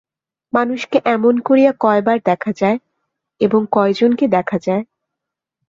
মানুষকে এমন করিয়া কয়বার দেখা যায় এবং কয়জনকে দেখা যায়!